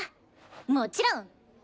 もちろん！